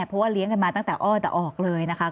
เพราะว่าเลี้ยงกันมาตั้งแต่อ้อแต่ออกเลยนะคะ